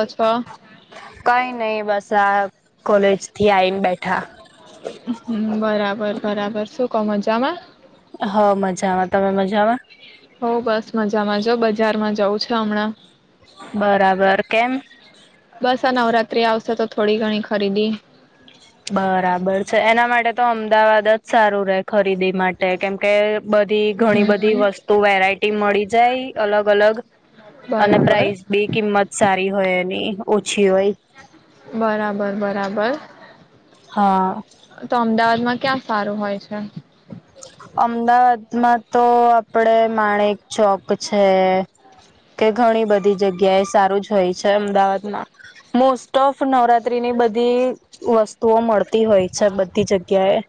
રજ અ કઈ નઈ બસ આ કોલેજ થી આઈન બેઠા હ બરાબર બરાબર શું કો મજામાં. હ મજામાં તમે મજામાં હો બસ મજામાં જો બજારમાં જઉ છે હમણાં બરાબર કેમ? બસ આ નવરાત્રી આવશે થોડી ઘણી ખરીદી બરાબર છે એના માટે તો અમદાવાદ જ સારુ રે ખરીદી માટે કેમકે બધી ઘણી બધી હમ વસ્તુ વેરાયટી મળી જાય અલગ અલગ અને બરાબર પ્રાઇસ બી કિંમત સારી હોય એની ઓછી હોય બરાબર બરાબર હા. તો અમદાવાદમાં ક્યાં સારું હોય છે? અમદાવાદમાં તો આપડે માણેક ચોક છે. કે ઘણી બધી જગ્યા એ સારું જ હોય છે અમદાવાદમાં મોસ્ટ ઓફ નવરાત્રીની બધી વસ્તુઓ મળતી હોય છે બધી જગ્યાએ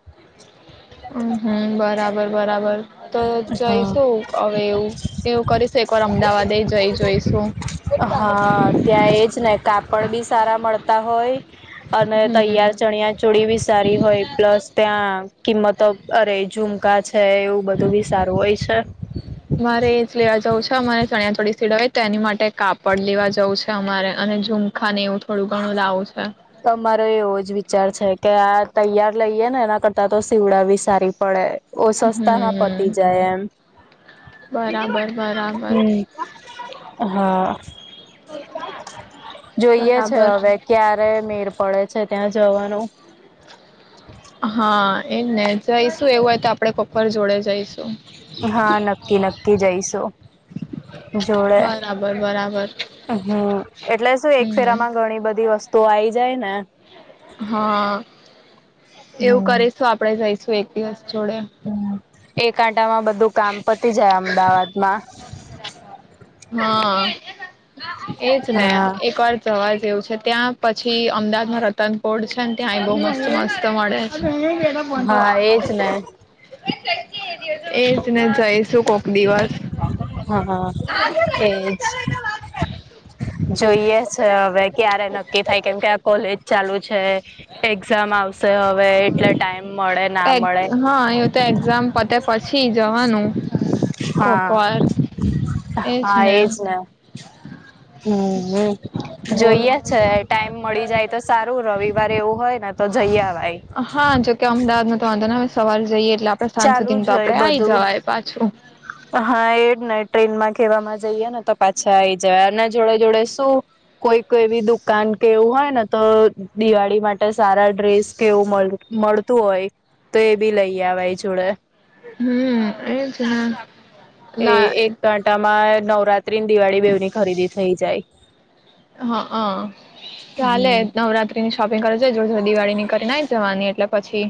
હમ્મ હમ્મ બરાબર બરાબર તો જઈશું હવે એવું એવું કરીશું એકવાર અમદાવાદ એ જઈ જોઈશું. હા ત્યાં એજ ને કાપડ બી સારા મળતા હોય. અને હમ તૈયાર ચણ્યા ચોડીવી સારી હોય, પ્લસ ત્યાં કિંમતો અરે ઝુમકા છે એવું બધું તો બી સારું હોય છે. મારે એ જ લેવા જવું છે, અમારે ચણિયા થોડી સીડય તો એની માટે કાપડ લેવા જવું છે અમારે અને ખા ને એવું થોડું ઘણું લાવું છે. અમારો એવો જ વિચાર છે કે, આ તૈયાર લઈએ ને એના કરતાં તો સીવડાવી સારી પડે. ઓ સસ્તામાં પતી હમ જાય એમ. બરાબર બરાબર હમ્મ હા. [inaudible] જોઈએ છે બરાબર હવે, ક્યારે મેડ પડે છે ત્યાં જવાનો. હા એને જઈશું એવું હોય તો આપડે કોપર જોડે જઈશું. હા નક્કી નક્કી જઈશું, જોડે. બરાબર બરાબર હમ, એટલે શું એક હમ ફેરામાં ઘણી બધી વસ્તુઓ આઈ જાય ને હા, એવું હમ. કરીશું આપણેે જઈશું એક દિવસ જોડે. હમ એક આંટામાં બધું કામ પતી જાય અમદાવાદમાં. હા, એજ ને હા એકવાર જવા જેવું છે ત્યાં પછી અમદાવાદમાં રતન છેને ત્યાં બહું મસ્ત મસ્ત મળે હા એજ ને [unintelligible] એજ ને જઈશું કોક દિવસ હા હા, એ જ. જોઈએ છે હવે ક્યારે નક્કી થાય કેમ આ કોલેજ ચાલુ છે. એક્ઝામ આવશે અવે એટલે ટાઈમ મળે ના મળે હા [unintelligible] તો એક્ઝામ પતે પછી જવાનું. હા કોકવાર હા એજ ને. હમ્મ નું બોલો જોઈએ. છે ટાઈમ મળી જાય તો સારું રવિવારે એવું હોય ને તો જઈ અવાય. હા જોકે અમદાવાદમાં તો વાંધો ન આવે સવારે જઈએ એટલે આપડે સાંજ ચાલુ સુધી તો જ હોય આપડે આય બધું જવાય પાછું. હા એજ ને ટ્રેનમાં કે એવામાં જઈએ ને તો પાછા આઈ જવા અને જોડે જોડે શું કોઈક એવી દુકાન કેવું હોય ને, તો દિવાળી માટે સારા ડ્રેસ કેવું મળ- તું, હોય તો એ બી, લઈ આવાઈ જોડે. હમ એજ ને એ લા એક ઘાંટામાં નવરાત્રી ને દિવાળી બેવની ખરીદી થઈ જાય. હા અ ચાલે હમ નવરાત્ર્ ની શોપિંગ કરે છે. જો દિવાળીની કરી આઈ જવાની એટલે પછી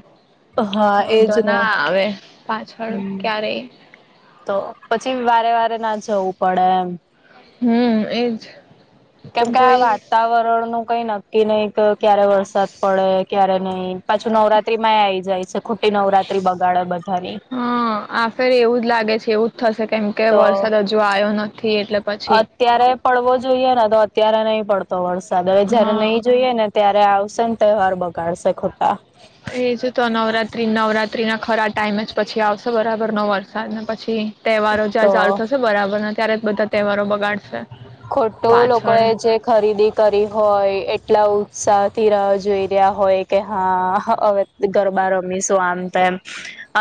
હા વાંધો એજ ને ના આવે, પાછળ હમ ક્યારેય. તો પછી વારે વારે ના જવું પડે એમ. હમ એજ કેમકે આ જોઈ વાતાવરણ નું કઈ નક્કી નહી કે ક્યારે વરસાદ પડે ક્યારે નહી, પાછું નવરાત્રી માં એ આવી જાય છે. ખુટી નવરાત્રી બગાડે બધાની. હા આ ફેરે એવું જ લાગે છે. એવું જ થશે કેમ કે તો વરસાદ હજુ આયો નથી એટલે પછી ત્યારે પડવો જોઈએ, અત્યારે નઈ પડતો વરસાદ હવે જયારે હા નહી જોઈએ ને- ત્યારે આવશે ને તહેવાર બગાડશે ખોટા. એજ તો, નવરાત્રી નવરાત્રીના ખરા ટાઈમે જ પછી આવશે બરાબરનો વરસાદ ને પછી- તહેવારો [unintelligible] તો ચાલુ થશે બરાબરના ત્યારે જ બધા તહેવારો બગાડશે ખોટું લોકો પાછળ એ જે ખરીદી કરી હોય, એટલા ઉત્સાહથી રાહ જોઈ રહ્યા હોય કે હા, હવે- ગરબા રમીશું આમ તેમ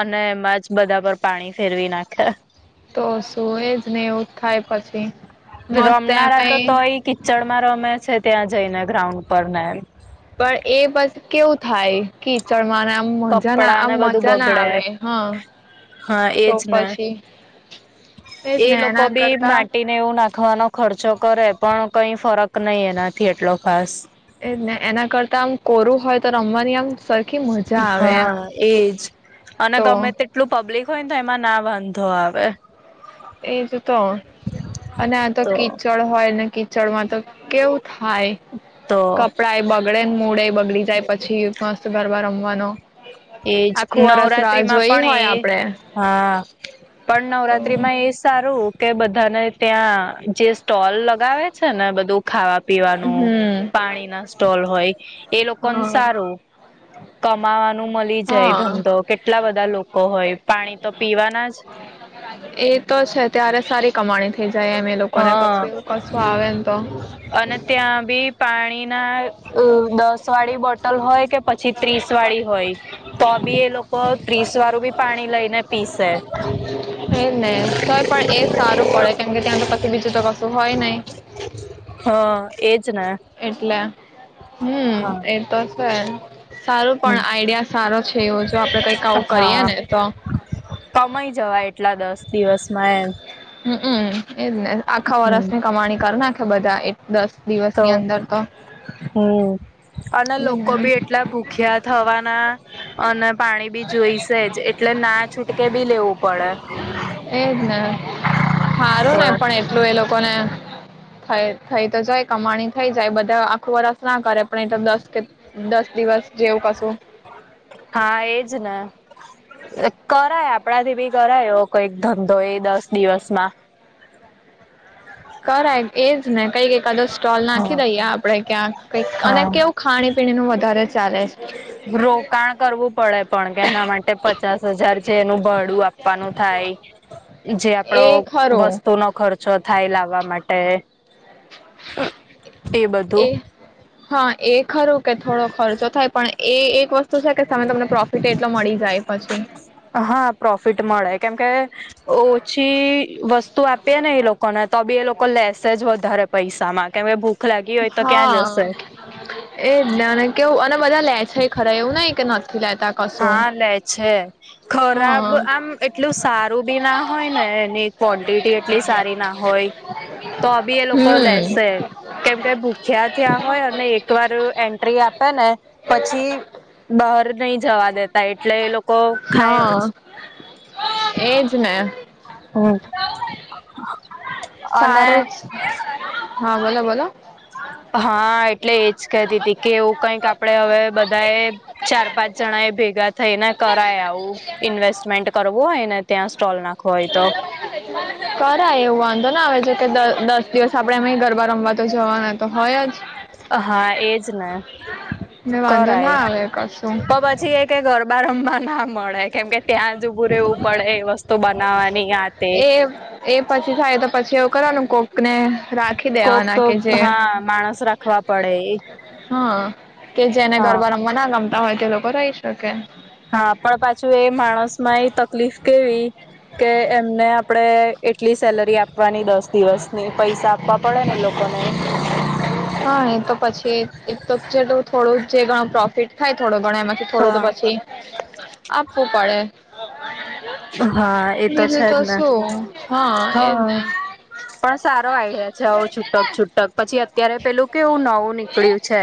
અને એમાં જ બધા પર પાણી ફેરવી નાખે. તો સુું એ જ ને એવું જ થાય પછી. મસ્ત રમનારા તો એમેય તોય કીચડ માં રમે છે ત્યાં જઈને ગ્રાઉન્ડ પર ને એમ પણ એ બસ કેવું થાય. કીચડમાં અને આમ મજા ના કપડા આમ ને બધું મજા ના બગડે આવે હા. હા તો એજ ને પછી એજ એ ને લોકો એના બી કરતા માટે એવું નાખવાનો ખર્ચો કરે પણ કઈ ફરક નહી એનાથી એટલો ખાસ એ જ ને એના કરતા આમ કોરું હોય તો રમવાની આમ સરખી મજા આવે એમ હા એજ અને તો ગમે તે એટલું પબ્લિક હોય ને તો એમાં ના વાંધો આવે. એજ તો અને આ તો કીચડ હોય ને કી કીચડમાં તો કેવું થાય તો કપડા એ બગડે ને મૂળે બગડી જાય પછી મસ્ત ગરબા રમવાનો એજ કે આખું વરસ રાહ નવરાત્રીમાં જોઈ પણ હોય એ આપડે હા પણ નવરાત્રી માં એ જ સારું કે બધાને ત્યાં જે સ્ટોલ લગાવ્યા છે ને બધું ખાવા પીવાનું હમ પાણી ના સ્ટોલ હોય એ લોકોન હ સારું. કમાવાનું મળી જાય હા ધંધો કેટલા બધા લોકો હોય પાણી તો પીવા ના જ એ તો છે ત્યારે સારી કમાણી થઈ જાય એમ એ લોકોને પછી હા એવું કશું આવે ને તો અને ત્યાં બી પાણી ના દસ વાળી બોટલ હોય કે પછી ત્રીસ વાળી હોય તો બી એ લોકો ત્રીસ વારું બી પાણી લઈને પીસે. એજ ને તોય પણ એજ સારું પડે કેમ કે ત્યાં તો પછી બીજું તો કશું હોય નહી. હા એજ ને એટલે હમ્મ એતો છે સારું પણ આઈડિયા સારો છે એવું જો આપણે કંઈક આવું કરીએ ને તો કમાય જવાય એટલા દસ દિવસમાં એમ. હમમ એજ ને આખા એમ વર્ષની કમાણી કર નાખે બધા દસ દિવસ તો ની અંદર તો. હમ અને એજ લોકો ને બી એટલા ભૂખ્યા થવાના અને પાણી બી જોઈશે જ એટલે ના છૂટકે બી લેવું પડે. એજ ને હારું તો ને પણ એટલું એ લોકો ને થ થઈ તો જાય કમાણી થઈ જાય બધા આખો વર્ષ ના કરે પણ એ તો દસ કે દસ દિવસ જેવું કશું હા એજ ને. કરાય આપણા થી ભી કરાય એવો કઈક ધંધો એ દસ દિવસ માં. કરાય એજ ને કઈક એકાદો સ્ટોલ નાખી દઈએ આપડે ક્યાં કઈક અને હા કેવું ખાણી પીણી નું વધારે ચાલે રોકાણ કરવું પડે. પણ કે એના માટે પચાસ હજાર જે એનું ભડું આપવાનું થાય જે આપડો એ ખરું વસ્તુ નો ખર્ચ ચો થાઈ લાવવા માટે એ બધું હા એ ખરું કે થોડો ખર્ચો થાય પણ એ એક વસ્તુ શું છે કે સામે તમને પ્રોફિટ એટલો મળી પછી. હા પ્રોફિટ મળે કેમકે ઓછી વસ્તુ આપ આપે ને એ લોકોને તો બી એ લોકો લેસેજ વધારે પૈસામાં કે ભૂ ભૂખ લાગી હોય તો ક્યાં જશે. એ જ ને અને કેવું અને બધા લે છે ખરા એવું નહિ કે નથી લેતા કશું. હા લે છે. ખરાબ હમ્મ. આમ એટલું સારું બી ના હોય ને એ ક્વોન્ટિટી એટલી સારી ના હોય તો બી એ લોકો લેસે. કેમ કે ભૂખ્યા થયા હોય અને એક વાર એન્ટ્રી આપ ને પછી બહાર નઈ જવા દે તા એટલે એ લોકો ખાય જ. એ જ ને. હમ. અને સારું હા બોલો બોલો. હા એટલે એ જ કેતી હતી કે એવું કઈક આપડે હવે બધા એ ચાર પાંચ જણા એ ભેગા થઈને કરાય આવું ઇન્વેસ્ટમેન્ટ કરવું હોય ને ત્યાં સ્ટોલ નાખવો હોય તો. કરાય એવું વાંધો ના આવે જે કે દસ દિવસ આપડે એમાંય ગરબા રમવા તો જવાના તો હોય જ. હા એજ ને ને વાંધો કરાય ના આવે કશું. તો પછી એક કે ગરબા રમવા ના મળે. કેમ કે ત્યાં જ ઊભું રહેવું પડે એ વસ્તુ બનાવવાની આ તે. એ એ પછી થાય તો પછી એવું કરવાનું કોક ને રાત કોક હા માણસ રાખવા પડે એ હા કે જેને હા ગરબા ના રમતા હોય તે લોકો રહી શકે. હા પણ પાછું એ માણસ માં એ તકલીફ કેવી કે એમને આપડે એટલી સેલરી આપી આપવાની દસ દિવસ ની પૈસા આપવા પડે ને એ લોકોને. હા એ તો પછી એક તો જે થોડું જે ઘણું પ્રોફિટ થાય થોડો ઘણો એમાંથી થોડું તો હા પછી આપવું પડે એ બીજું છે તો જ ને શું હા એ પણ સારો આઈડિયા છે આવો છૂટક છૂટક પછી અત્યારે પેલું કેવું નવું નીકળ્યું છે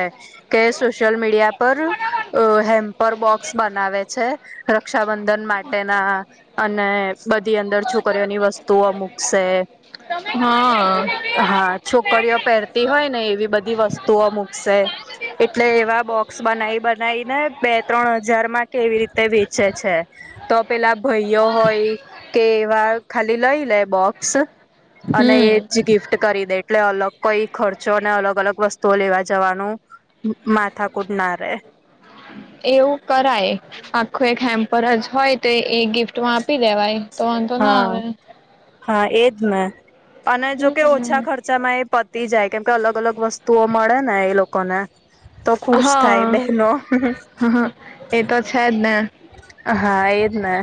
કે સોશિયલ મીડિયા પર અ હેમ્પર બોક્સ બનાવે છે ર રક્ષાબંધન માટેના અને બધી અંદર છોકરીઓની વસ્તુઓ મુકશે ને હા હા છોકરીઓ પહેરતી હોય ને એવી બધી વસ્તુઓ મુકશે એટલે એવા બોક્સ બનાવી બનાવી ને બે ત્રણ હજાર માં કેવી રીતે વેચે છે. તો પેલા ભાઈઓ હોય કે એવા ખાલી લઈ લે બોક્સ અને એ હમ જ ગિફ્ટ કરી દે એટલે અલગ કઈ ખર્ચો નઈ ને અલગ અલગ વસ્તુઓ લેવા જવાનું માથાકુટ ના રહે એવું કરાય આખું એક હેમ્પર જ હોય તો એ ગિફ્ટ માં આપી દેવાય તો વાંધો ના હા આવે હા એજ ને અને જો કે હમ ઓછા ખર્ચ ચા માં એ પતી જાય કેમ કે અલગ અલગ વસ્તુઓ મળે ને એ લોકો લોકોને તો ખુશ થાય હા બહેનો. હા એ તો છે જ ને હા એ જ ને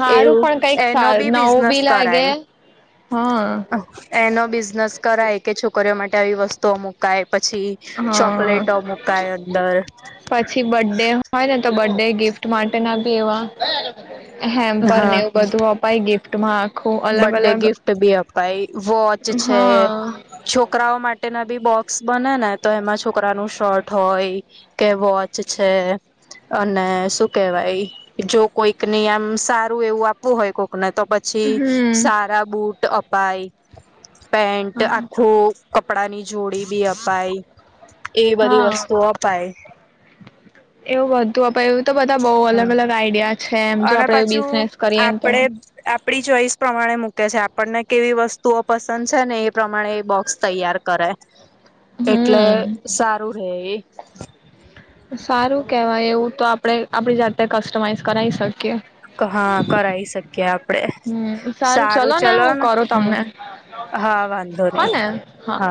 હારું એવું પણ કઈક એનો બી નવું બિઝનેસ બી લાગે કરાય હા. એનો બિઝનેસ કરાય કે છોકરીઓ માટે આવી વસ્તુઓ મુકાય પછી હા ચોકલેટો મુકાય અંદર પછી બર્થડે હોય ને તો બર્થડે ગિફ્ટ માટે ના બી એવા હેમ્પર ને હા એવું બધું અપાય ગિફ્ટમાં આખું અલગ બર્થડે અલગ ગિફ્ટ બી અપાય વોચ છે હા છોકરાઓ માટેના બી બોક્સ બને ને એમાં છોકરાઓનું શર્ટ હોય કે વોચ છે અને શું કેવાય જો કોઈકની આમ સારું એવું આપવું હોય કોકને તો પછી હમ સારા બુટ અપાય પેન્ટ હા આખું કપડાની જોડી બી અપાય એવી બધી વસ્તુઓ અપાય એવુ બધું આપ એવું તો બધા અલગ અલગ આઈડિયા છે એમ જો અને આપડે પાછું બિઝનેસ કરીએ ને તો આપણે આપડી ચોઈસ પ્રમાણે મૂકે છે આપણને કેવી વસ્તુઓ પસંદ છે ને એ પ્રમાણે એ બોક તૈયાર કરે એટલે હમ સારું રે એ સારું કેવાય એવું તો આપણે આપડી જાતે કસ્ટમાઈઝ કરાઈ શકીએ હા કરાઈ શકીએ આપડે હમ્મ સારું ચલો ને હું કરું તમને હા વાંધો નહી હને હા